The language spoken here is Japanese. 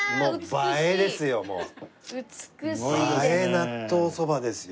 映え納豆そばですよ